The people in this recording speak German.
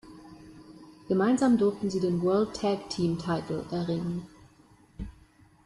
Gemeinsam durften sie den World Tag Team Title erringen.